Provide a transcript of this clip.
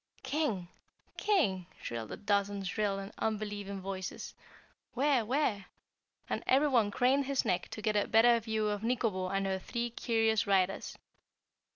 "King? King?" shrilled a dozen shrill and unbelieving voices. "Where? Where?" and everyone craned his neck to get a better view of Nikobo and her three curious riders.